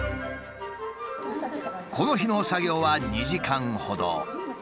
この日の作業は２時間ほど。